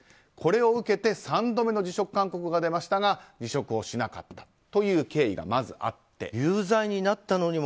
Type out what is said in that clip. これを受けて３度目の辞職勧告が出ましたが辞職しなかったという経緯がまずあります。